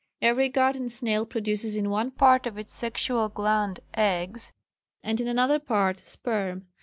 Every garden snail produces in one part of its sexual gland eggs, and in another part sperm.